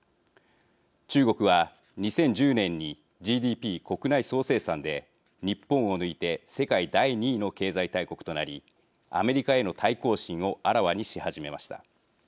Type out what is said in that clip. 中国は、２０１０年にＧＤＰ＝国内総生産で日本を抜いて世界第２位の経済大国となりアメリカへの対抗心をあらわにし始めました。